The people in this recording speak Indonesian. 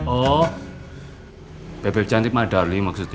oh bebek cantik mah darling maksudnya